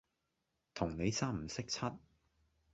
同你三唔識七